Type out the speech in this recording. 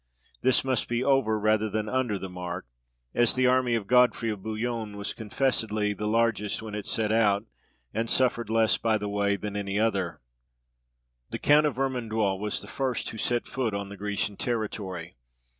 This must be over rather than under the mark, as the army of Godfrey of Bouillon was confessedly the largest when it set out, and suffered less by the way than any other. [Illustration: GODFREY DE BOUILLON.] The Count of Vermandois was the first who set foot on the Grecian territory.